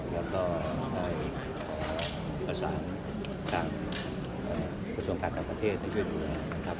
แล้วก็ขอบคุณทุกท่านทางประสงค์การให้ช่วยดูนะครับ